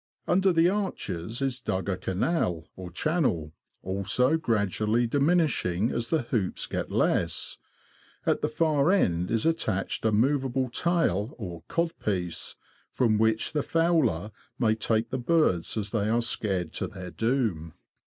Under the arches is dug a canal, or channel, also gradually diminishing as the hoops get less ; and at the far end is attached a movable tail, or " cod piece," from which the fowler may take the birds as they are scared to their doom.